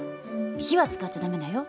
火は使っちゃ駄目だよ。